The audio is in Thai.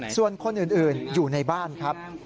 ส่วนคนอื่นอยู่ในบ้านครับ